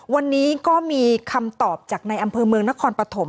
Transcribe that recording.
วันนี้ก็มีคำตอบจากในอำเภอเมืองนครปฐม